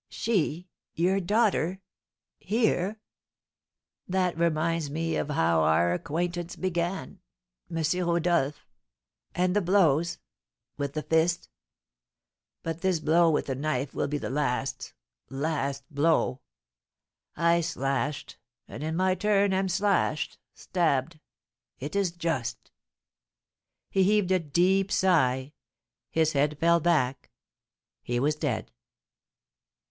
"She your daughter here? That reminds me of how our acquaintance began M. Rodolph and the blows with the fist; but this blow with a knife will be the last last blow. I slashed and in my turn am slashed stabbed. It is just." He heaved a deep sigh his head fell back he was dead.